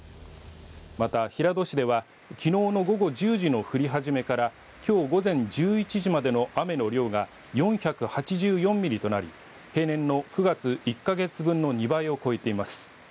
また、平戸市ではきのうの午後１０時の降り始めからきょう午前１１時までの雨の量が４８４ミリとなり平年の９月１か月分の２倍を超えています。